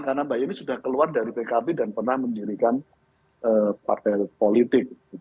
karena mbak yeni sudah keluar dari pkb dan pernah menjadikan partai politik